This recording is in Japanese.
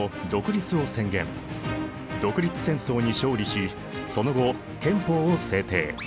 独立戦争に勝利しその後憲法を制定。